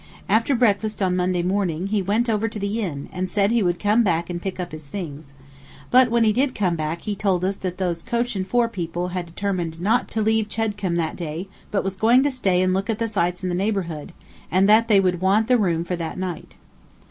After breakfast on Monday morning he went over to the inn, and said he would come back and pack up his things; but when he did come back he told us that those coach and four people had determined not to leave Chedcombe that day, but was going to stay and look at the sights in the neighborhood, and that they would want the room for that night.